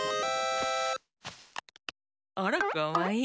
あらかわいい！